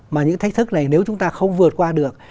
mà những thách thức này nếu chúng ta không vượt qua được